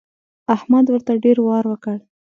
احمد ورته ډېر وار وکړ.